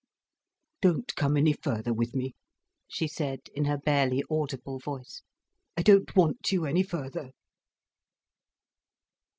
"Don't come any further with me," she said, in her barely audible voice. "I don't want you any further."